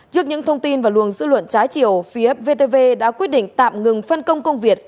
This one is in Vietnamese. trước những thông tin và luồng dư luận trái chiều phía vtv đã quyết định tạm ngừng phân công công việc